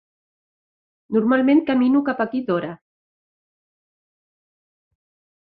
Normalment camino cap aquí d'hora.